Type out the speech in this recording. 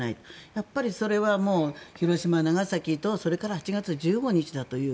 やっぱりそれは広島、長崎とそれから８月１５日だという。